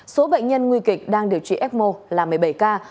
số bệnh nhân nguy kịch đang điều trị f một là một mươi bảy ca